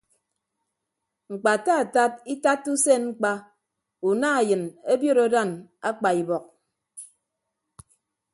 Ñkpataatat itatta usen ñkpa una eyịn obiot adan akpa ibọk.